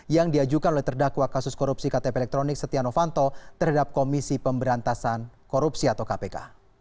yang diajukan oleh terdakwa kasus korupsi ktp elektronik setia novanto terhadap komisi pemberantasan korupsi atau kpk